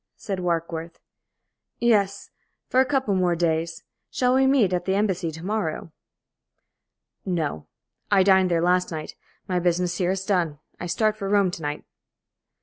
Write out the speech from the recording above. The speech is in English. said Warkworth. "Yes, for a couple more days. Shall we meet at the Embassy to morrow?" "No. I dined there last night. My business here is done. I start for Rome to night."